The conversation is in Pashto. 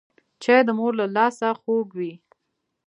چای د مور له لاسه خوږ وي